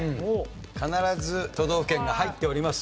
必ず都道府県が入っております。